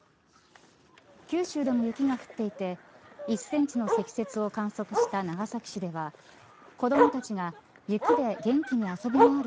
九州でも雪が降っていて１センチの積雪を観測した長崎市では、子どもたちが雪で元気に遊びまわる